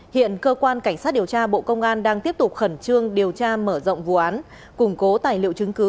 hiện cơ quan cảnh sát điều tra bộ công an đang tiếp tục khẩn trương điều tra mở rộng vụ án củng cố tài liệu chứng cứ